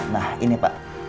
nah ini pak